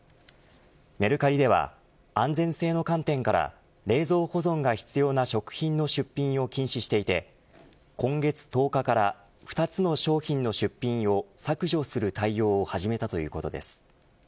メルカリでは、安全性の観点から冷蔵保存が必要な食品の出品を禁止していて今月１０日から２つの商品の出品を削除する対応を始めたということです。